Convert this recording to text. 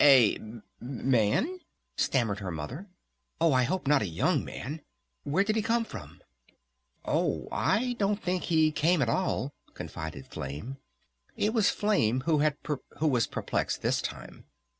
"A man?" stammered her Mother. "Oh I hope not a young man! Where did he come from?" "Oh I don't think he came at all," confided Flame. It was Flame who was perplexed this time.